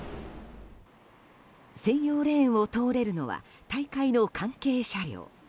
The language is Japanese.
専用レーンを通れるのは大会の関係車両。